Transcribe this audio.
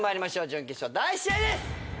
準決勝第１試合です！